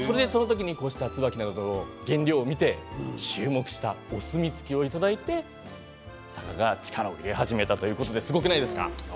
ツバキなどの原料を見て注目したお墨付きをいただいて佐賀が力を入れ始めたということですごくないですか。